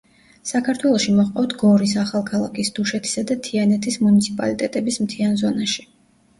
საქართველოში მოჰყავთ გორის, ახალქალაქის, დუშეთისა და თიანეთის მუნიციპალიტეტების მთიან ზონაში.